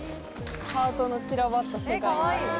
ハートの散らばった世界になる。